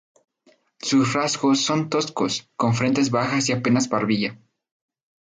Sus rasgos son toscos, con frentes bajas y apenas barbilla.